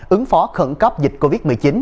ứng phó khẩn cấp dịch covid một mươi chín